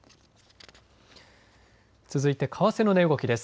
続いて為替の値動きです。